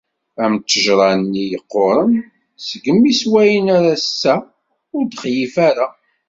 Am ttejra-nni yeqquren deg-s mi swayen ar ass-a ur d-xlif ara.